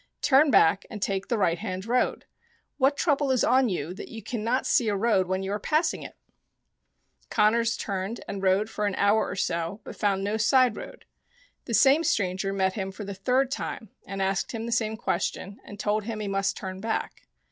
Turn back and take the right hand road. What trouble is on you that you cannot see a road when you are passing it ?" Connors turned and rode on for an hour or so, but found no side road. The same stranger met him for the third time, and asked him the same question, and told him he must turn back.